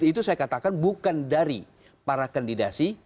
itu saya katakan bukan dari para kandidasi